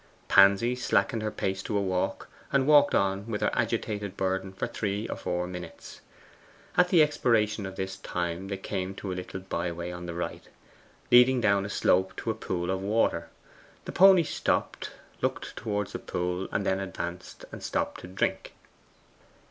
Pansy slackened her pace to a walk, and walked on with her agitated burden for three or four minutes. At the expiration of this time they had come to a little by way on the right, leading down a slope to a pool of water. The pony stopped, looked towards the pool, and then advanced and stooped to drink.